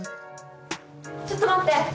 ちょっと待って！